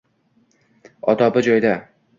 Odobi ham joyida.